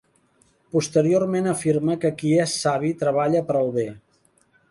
Posteriorment afirma que qui és savi treballa per al bé.